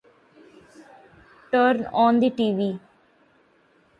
At the time of its opening, the Royal Alex was in an upscale neighbourhood.